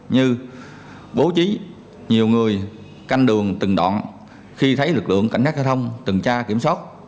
như bố trí nhiều người canh đường từng đoạn khi thấy lực lượng cảnh sát giao thông từng tra kiểm soát